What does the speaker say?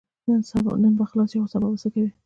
نن به خلاص شې خو سبا به څه کوې؟